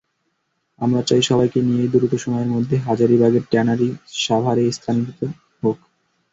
আমরা চাই, সবাইকে নিয়েই দ্রুত সময়ের মধ্যে হাজারীবাগের ট্যানারি সাভারে স্থানান্তরিত হোক।